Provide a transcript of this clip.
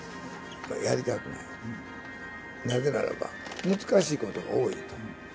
やりたくない、なぜならば難しいことが多いと。